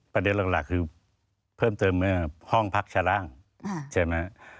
ประเด็นหลักคือเพิ่มเติมเมื่อห้องพักชะล่างใช่ไหม